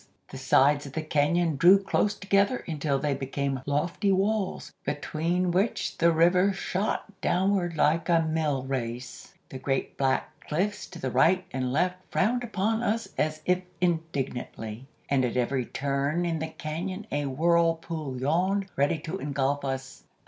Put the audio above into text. The sides of the cañon drew close together until they became lofty walls, between which the river shot downward like a mill race. The great black cliffs to right and left frowned upon us as if indignantly, and at every turn in the cañon a whirlpool yawned, ready to engulf us.